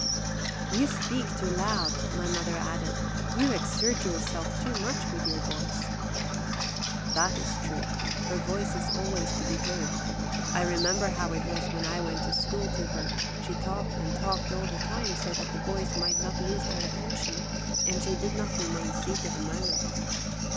"You speak too loud," my mother added; "you exert yourself too much with your boys/' That is true; her voice is always to be heard; I remember how it was when I went to school to her; she talked and talked all the time, so that the boys might not lose their attention, and she did not remain seated a moment.